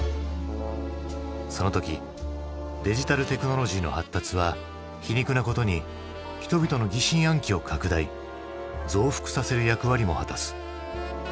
その時デジタルテクノロジーの発達は皮肉なことに人々の疑心暗鬼を拡大増幅させる役割も果たす。